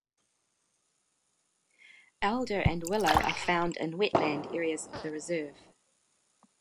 Alder and willow are found in wetland areas of the reserve.